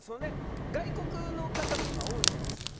外国の方も今、多いじゃないですか。